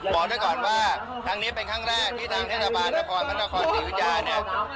บอกได้ก่อนว่าครั้งนี้เป็นครั้งแรกที่ทางเทศบาลนครพระนครศรีอุทยาเนี่ย